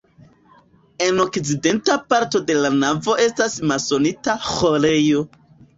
En okcidenta parto de la navo estas masonita ĥorejo.